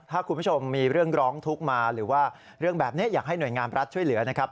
ถ้าคุณผู้ชมมีเรื่องร้องทุกข์มาหรือว่าเรื่องแบบนี้อยากให้หน่วยงานรัฐช่วยเหลือนะครับ